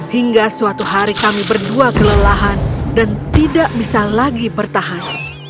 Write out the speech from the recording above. hingga suatu hari kami berdua kelelahan dan tidak bisa lagi bertahan